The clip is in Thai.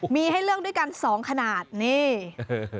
มีให้เลือกด้วยกันสองขนาดนี่